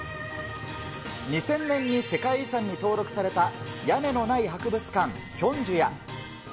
２０００年に世界遺産に登録された屋根のない博物館、キョンジュや。